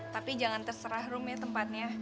tapi jangan terserah room ya tempatnya